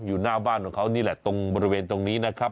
อยู่หน้าบ้านของเขานี่แหละตรงบริเวณตรงนี้นะครับ